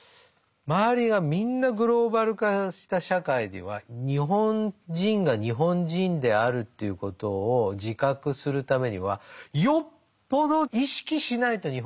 周りがみんなグローバル化した社会では日本人が日本人であるということを自覚するためにはよっぽど意識しないと日本人にはなれないわけ。